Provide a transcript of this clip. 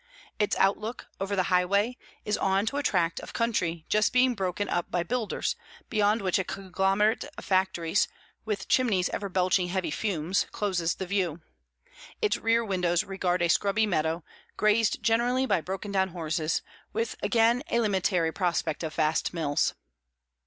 Its outlook, over the highway, is on to a tract of country just being broken up by builders, beyond which a conglomerate of factories, with chimneys ever belching heavy fumes, closes the view; its rear windows regard a scrubby meadow, grazed generally by broken down horses, with again a limitary prospect of vast mills.